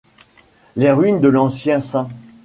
Les ruines de l'ancien St.